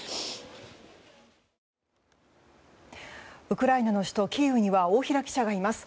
ウクライナの首都キーウに大平記者がいます。